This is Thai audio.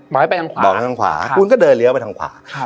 บอกให้ไปทางขวาบอกให้ไปทางขวาคุณก็เดินเรียวไปทางขวาครับ